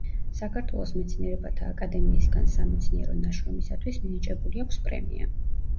საქართველოს მეცნიერებათა აკადემიისგან სამეცნიერო ნაშრომისათვის მინიჭებული აქვს პრემია.